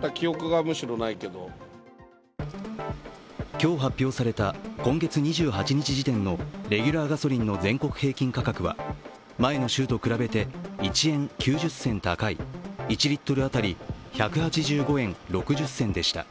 今日、発表された今月２８日時点のレギュラーガソリンの全国平均価格は前の週と比べて１円９０銭高い１リットル当たり１８５円６０銭でした。